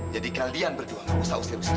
jadi kalian berdua tidak usah usir usir saya